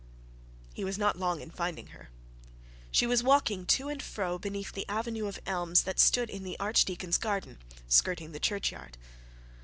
He was not long in finding her. She was walking to and fro beneath the avenue of elms that stood in the archdeacon's grounds, skirting the churchyard.